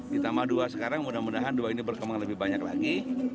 ditambah dua sekarang mudah mudahan dua ini berkembang lebih banyak lagi